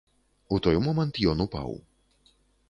У той момант ён упаў.